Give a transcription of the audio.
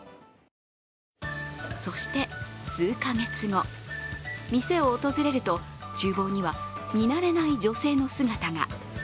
そして数か月後、店を訪れるとちゅう房には見慣れない女性の姿日。